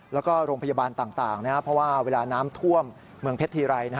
แล้วก็โรงพยาบาลต่างเพราะว่าเวลาน้ำท่วมเมืองเพชรทีไร